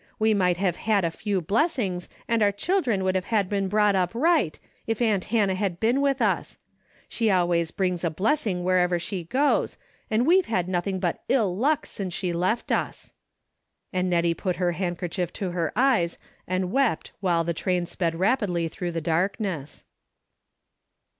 We might have had a few blessings, and our children would have been brought up right, if aunt Hannah had been with us. She always brings a blessing wherever she goes, and we've had nothing but ill luck since she left us," and Nettie put her DAILY RATEy 351 handkerchief to her eyes and wept while the train sped rapidly through the darkness.